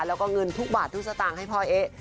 แล้วก็เงินทุกบาททุกสตางค์ให้พ่อเอ๊ะ